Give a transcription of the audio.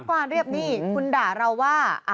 ฟานเรียบหนี้คุณด่าเราว่า